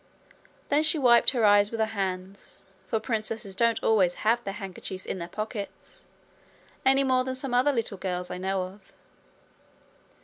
Then she wiped her eyes with her hands, for princesses don't always have their handkerchiefs in their pockets, any more than some other little girls I know of.